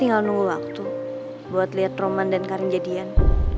tinggal nunggu waktu buat liat roman dan karin jadian